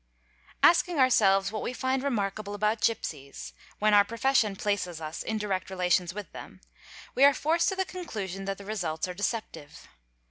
Asking ourselves what we find remarkable about gipsies (when our ~ profession places us in direct relations with them) we are forced to the conclusion that the results are deceptive.